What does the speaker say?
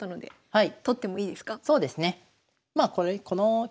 はい。